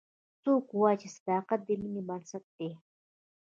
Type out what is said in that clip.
څوک وایي چې صداقت د مینې بنسټ ده